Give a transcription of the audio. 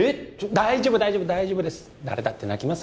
大丈夫大丈夫大丈夫です誰だって泣きます